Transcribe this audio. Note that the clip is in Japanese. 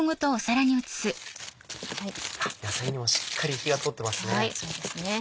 野菜にもしっかり火が通ってますね。